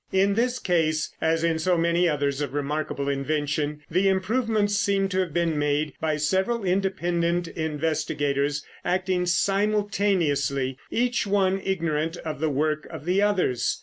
In this case, as in so many others of remarkable invention, the improvements seem to have been made by several independent investigators acting simultaneously, each one ignorant of the work of the others.